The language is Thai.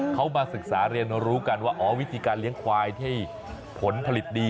เขามาศึกษาเรียนรู้กันว่าอ๋อวิธีการเลี้ยงควายที่ผลผลิตดี